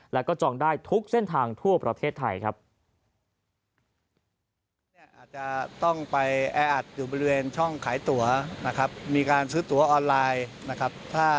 แล้วก็จองได้ทุกเส้นทางทั่วประเทศไทยครับ